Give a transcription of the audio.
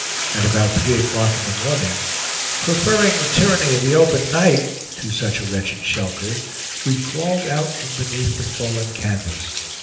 At about three o'clock in the morning, "preferring the tyranny of the open night" to such a wretched shelter, we crawled out from beneath the fallen canvas.